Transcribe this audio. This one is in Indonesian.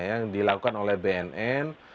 yang dilakukan oleh bnn